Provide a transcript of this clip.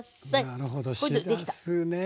なるほどしらすね。